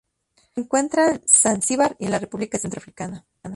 Se encuentra en Zanzíbar y en la República Centroafricana.